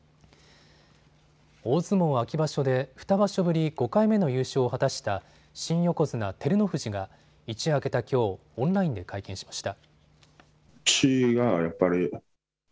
大相撲秋場所で２場所ぶり５回目の優勝を果たした新横綱・照ノ富士が一夜明けたきょう、オンラインで会見しました。